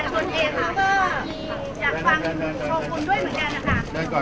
คุณมาตรงมามาสานสบายค่ะ